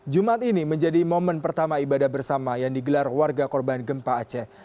jumat ini menjadi momen pertama ibadah bersama yang digelar warga korban gempa aceh